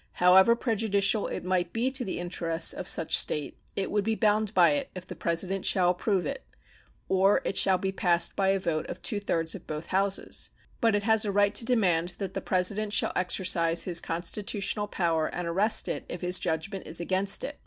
However prejudicial it might be to the interests of such State, it would be bound by it if the President shall approve it or it shall be passed by a vote of two thirds of both Houses; but it has a right to demand that the President shall exercise his constitutional power and arrest it if his judgment is against it.